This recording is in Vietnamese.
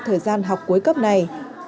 thời gian học cuối cấp này